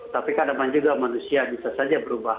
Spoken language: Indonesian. tapi keadaan juga manusia bisa saja berubah